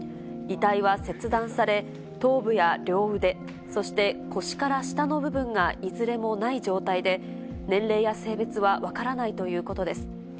遺体は切断され、頭部や両腕、そして腰から下の部分がいずれもない状態で、年齢や性別は分からないということです。